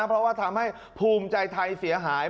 เพราะว่าทำให้ภูมิใจไทยเสียหาย